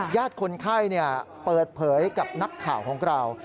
ยาดคนไข้เนี่ยเปิดเผยกับนักข่าวของเรา